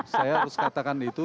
saya harus katakan itu